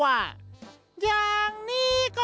ค่อยลอก